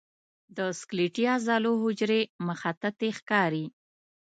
د سکلیټي عضلو حجرې مخططې ښکاري.